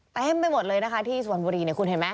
ไปแทบไปหมดเลยที่สุพรรณบุรีคุณเห็นไหม